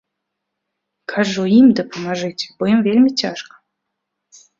Кажу, ім дапамажыце, бо ім вельмі цяжка.